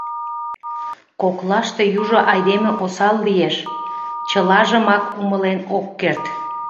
— Коклаште южо айдеме осал лиеш, чылажымак умылен ок керт.